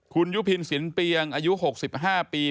คุณยุพินสินเปียงอายุ๖๕ปี